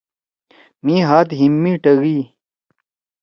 مھی ہات ہیِم می ٹگِئی۔